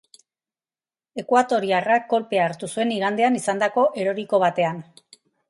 Ekuatoriarrak kolpea hartu zuen igandean izandako eroriko batean.